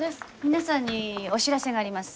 皆さんにお知らせがあります。